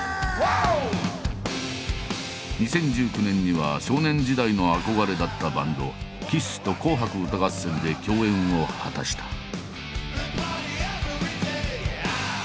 ２０１９年には少年時代の憧れだったバンドＫＩＳＳと「紅白歌合戦」で共演を果たした。